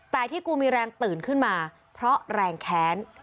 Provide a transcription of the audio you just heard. แต่ที่กูมีแรงตื่นขึ้นมาเพราะแรงแค้น